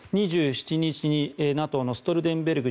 ２７日にＮＡＴＯのストルテンベルグ